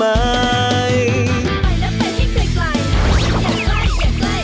ไปแล้วไปให้ไกลอย่าไกลอย่าไกลไปแล้วไปให้ไกล